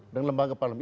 dan lembaga parlamen